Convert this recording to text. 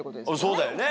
そうだよね。